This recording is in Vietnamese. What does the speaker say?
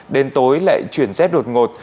đến tối lại chuyển rét đột ngột